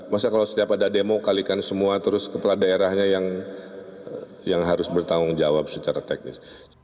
masa kalau setiap ada demo kalikan semua terus kepala daerahnya yang harus bertanggung jawab secara teknis